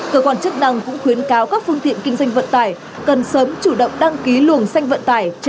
cơ quan chức năng cũng khuyến cáo các phương tiện kinh doanh vận tải cần sớm chủ động đăng ký luồng xanh vận tải trên website